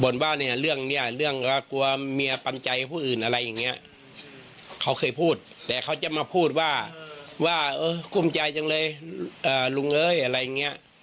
ว่าเนี่ยเรื่องเนี่ยเรื่องว่ากลัวเมียปันใจผู้อื่นอะไรอย่างเงี้ยเขาเคยพูดแต่เขาจะมาพูดว่าว่าเออกุ้มใจจังเลยลุงเอ้ยอะไรอย่างเงี้ย